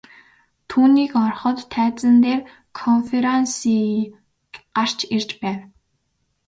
Түүнийг ороход тайзан дээр КОНФЕРАНСЬЕ гарч ирж байв.